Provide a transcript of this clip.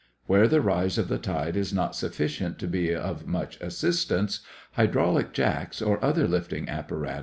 Where the rise of the tide is not sufficient to be of much assistance, hydraulic jacks or other lifting apparatus are used.